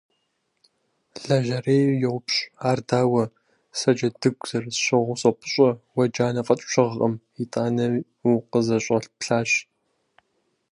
Лэжьэрейр йоупщӀ: Ар дауэ? Сэ джэдыгу зэрысщыгъыу сопӏыщӏэ, уэ джанэ фӀэкӀ пщыгъкъым, итӏани укъызэщӀэплъащ.